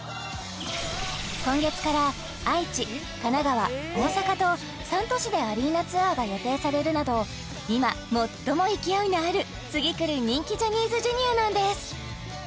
今月から愛知神奈川大阪と３都市でアリーナツアーが予定されるなど今最も勢いのある次くる人気ジャニーズＪｒ．なんです